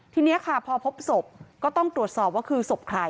ทีนี้ค่ะพอพบศพก็ต้องตรวจสอบว่าคือศพใคร